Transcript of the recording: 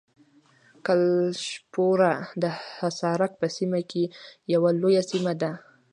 کلشپوره د حصارک په سیمه کې یوه لویه سیمه ده.